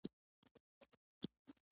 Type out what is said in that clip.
خوښي به ورڅخه ښکاریږي.